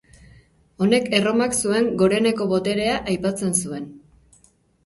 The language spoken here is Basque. Honek Erromak zuen goreneko boterea aipatzen zuen.